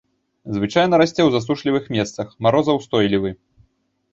Звычайна расце ў засушлівых месцах, марозаўстойлівы.